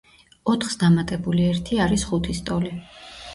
ოთხს დამატებული ერთი არის ხუთის ტოლი.